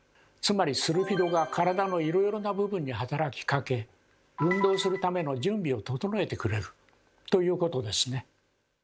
つまりスルフィドが体のいろいろな部分に働きかけ運動するための準備を整えてくれるということですね。